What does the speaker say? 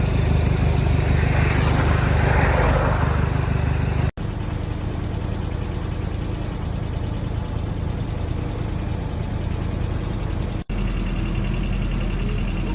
กลับถ่าย